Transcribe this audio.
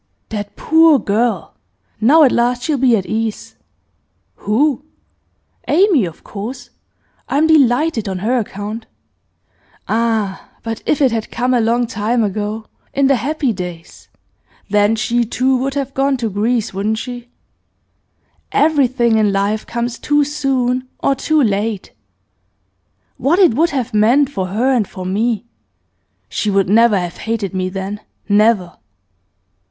'That poor girl! Now, at last, she'll be at ease.' 'Who?' 'Amy, of course! I'm delighted on her account. Ah! but if it had come a long time ago, in the happy days! Then she, too, would have gone to Greece, wouldn't she? Everything in life comes too soon or too late. What it would have meant for her and for me! She would never have hated me then, never.